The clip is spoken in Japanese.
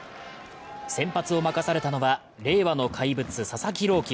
先発を任されたのは令和の怪物・佐々木朗希。